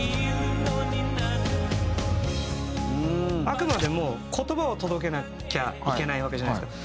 あくまでも言葉を届けなきゃいけないわけじゃないですか。